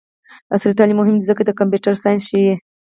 عصري تعلیم مهم دی ځکه چې د کمپیوټر ساینس ښيي.